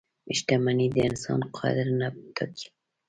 • شتمني د انسان قدر نه ټاکي.